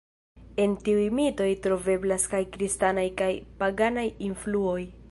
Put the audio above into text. En tiuj mitoj troveblas kaj kristanaj kaj paganaj influoj.